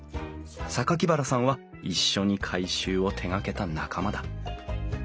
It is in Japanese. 榊原さんは一緒に改修を手がけた仲間だ。